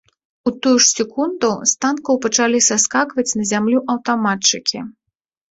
У тую ж секунду з танкаў пачалі саскакваць на зямлю аўтаматчыкі.